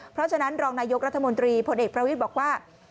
เพราะฉะนั้นรองนายกรัฐมนตรีพลเอกประวิทย์บอกว่า